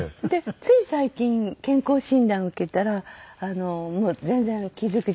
つい最近健康診断受けたらもう全然傷口キレイに治ってて。